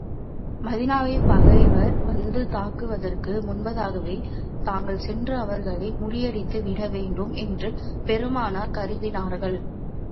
மதீனாவைப் பகைவர் வந்து தாக்குவதற்கு முன்னதாகவே தாங்கள் சென்று அவர்களை முறியடித்து விட வேண்டும் என்று பெருமானார் கருதினார்கள்.